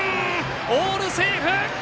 オールセーフ！